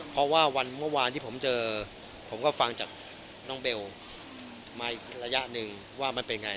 เพราะว่าวันเมื่อวานที่ผมเจอผมก็ฟังจากน้องเบลมาอีกระยะหนึ่งว่ามันเป็นไง